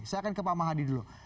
saya akan ke pak mahadi dulu